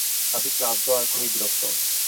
আমি ক্লান্ত আর খুব বিরক্ত।